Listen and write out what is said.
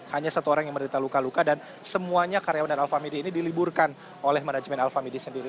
hanya satu orang yang merdeka luka luka dan semuanya karyawan dari alfa midi ini diliburkan oleh manajemen alfa midi sendiri